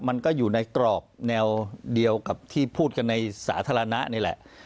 มันก็อยู่ในกรอบแนวเดียวกับที่พูดกันในสาธารณะนี่แหละ